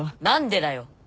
何でだよ。